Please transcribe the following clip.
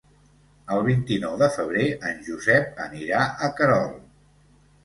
El vint-i-nou de febrer en Josep anirà a Querol.